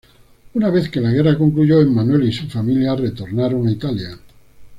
Una vez que la guerra concluyó Emanuel y su familia retornaron a Italia.